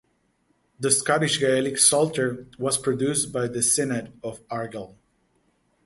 The Scottish Gaelic Psalter was produced by the Synod of Argyll.